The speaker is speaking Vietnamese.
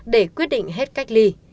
để quyết định hết cách ly